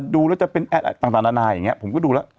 ดูแล้วจะเป็นแอดต่างดันไหล่ผมก็ดูแล้ว